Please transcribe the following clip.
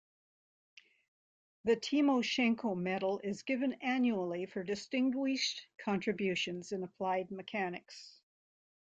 The Timoshenko Medal is given annually for distinguished contributions in applied mechanics.